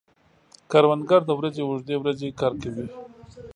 کروندګر د ورځې اوږدې ورځې کار کوي